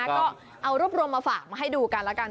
ก็เอารวบรวมมาฝากมาให้ดูกันแล้วกัน